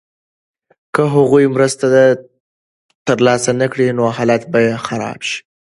که هغوی مرسته ترلاسه نکړي نو حالت به خراب شي.